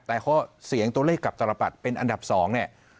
แต่เขาเสียงตัวเลขกับตลอดบัตรเป็นอันดับสอง